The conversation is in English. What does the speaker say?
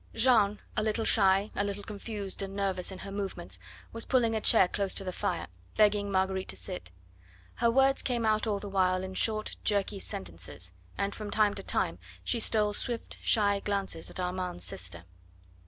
Jeanne, a little shy, a little confused and nervous in her movements, was pulling a chair close to the fire, begging Marguerite to sit. Her words came out all the while in short jerky sentences, and from time to time she stole swift shy glances at Armand's sister.